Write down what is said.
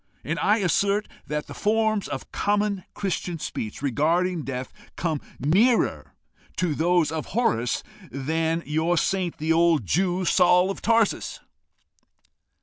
And I assert that the forms of common Christian speech regarding death come nearer those of Horace than your saint, the old Jew, Saul of Tarsus."